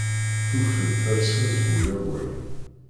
Tuffeg talsa seg wulawen.